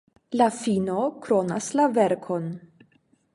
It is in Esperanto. La fino kronas la verkon.